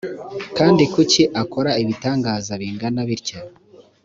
kandi kuki akora ibitangaza bingana bitya